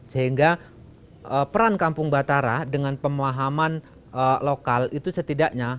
sehingga peran kampung batara dengan pemahaman lokal itu setidaknya